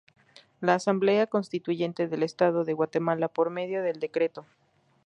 La Asamblea Constituyente del Estado de Guatemala por medio del decreto No.